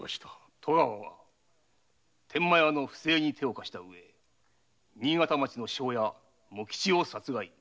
戸川は天満屋の不正に手を貸し新潟町の庄屋茂吉を殺害。